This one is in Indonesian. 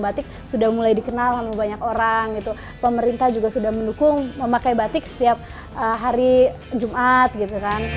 batik sudah mulai dikenal sama banyak orang gitu pemerintah juga sudah mendukung memakai batik setiap hari jumat gitu kan